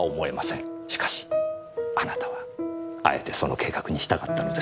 しかしあなたはあえてその計画に従ったのです。